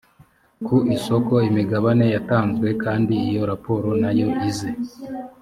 ku isoko imigabane yatanzwe kandi iyo raporo nayo ize